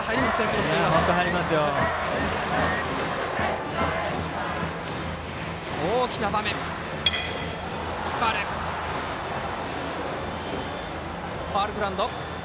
レフトファウルグラウンド。